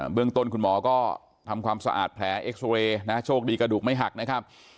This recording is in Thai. เรื่องต้นคุณหมอก็ทำความสะอาดแผลเอ็กซอเรย์นะโชคดีกระดูกไม่หักนะครับ